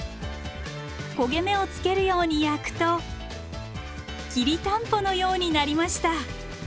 焦げ目をつけるように焼くときりたんぽのようになりました。